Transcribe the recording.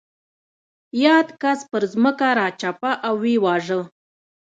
یاد کس پر ځمکه راچپه او ویې واژه.